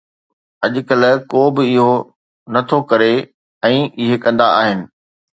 اڄڪلهه، ڪو به اهو نٿو ڪري ۽ اهي ڪندا آهن